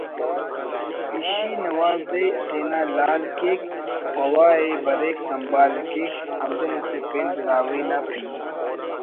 پشی نوازے تینا لعل کیک خوءِ بریک سنبھال کیک ہندن اسہ پین براہوئی نا پنی